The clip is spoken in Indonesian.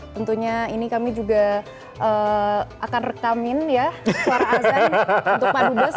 tentunya ini kami juga akan rekamin ya suara azan untuk pak dubas